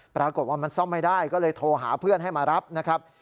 ปรากฏว่ามันซ่อมไม่ได้ก็เลยโทรหาเพื่อนให้มารับนะครับ